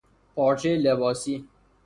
پارچهی لباسی